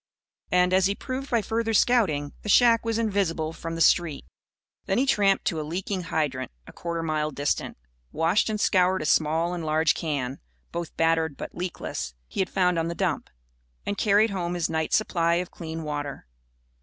And, as he proved by further scouting, the shack was invisible from the street. Then he tramped to a leaking hydrant, a quarter mile distant, washed and scoured a small and a large can (both battered but leakless) he had found on the dump; and carried home his night's supply of clean water.